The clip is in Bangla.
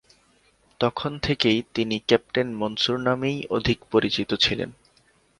তখন থেকেই তিনি ‘ক্যাপ্টেন মনসুর’ নামেই অধিক পরিচিত ছিলেন।